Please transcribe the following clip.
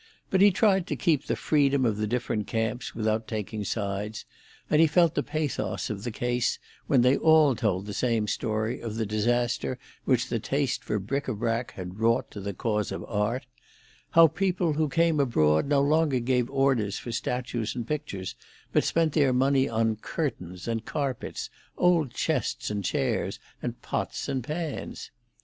But he tried to keep the freedom of the different camps without taking sides; and he felt the pathos of the case when they all told the same story of the disaster which the taste for bric à brac had wrought to the cause of art; how people who came abroad no longer gave orders for statues and pictures, but spent their money on curtains and carpets, old chests and chairs, and pots and pans.